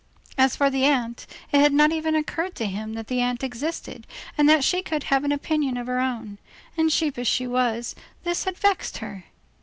As for the aunt,—it had not even occurred to him that the aunt existed, and that she could have an opinion of her own, and, sheep as she was, this had vexed her.